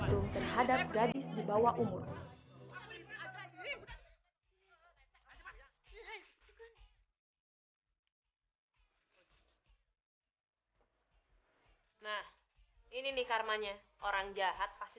saya gak mau saya mau balik sama kamu saya gak mau